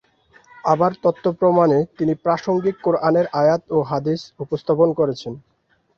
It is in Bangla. আবার তথ্য-প্রমাণে তিনি প্রাসঙ্গিক কোরআনের আয়াত ও হাদিস উপস্থাপন করেছেন।